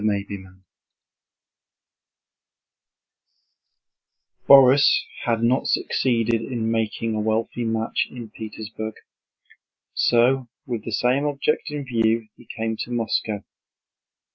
CHAPTER V Borís had not succeeded in making a wealthy match in Petersburg, so with the same object in view he came to Moscow.